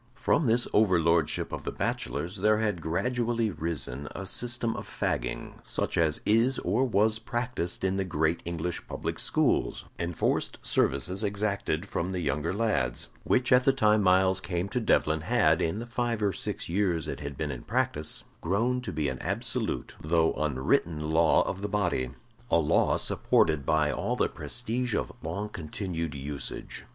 From this overlordship of the bachelors there had gradually risen a system of fagging, such as is or was practised in the great English public schools enforced services exacted from the younger lads which at the time Myles came to Devlen had, in the five or six years it had been in practice, grown to be an absolute though unwritten law of the body a law supported by all the prestige of long continued usage.